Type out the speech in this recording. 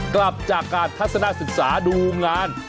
กลับจากการทัศนศึกษาดูงาน